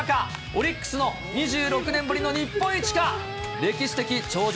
オリックスの２６年ぶりの日本一か。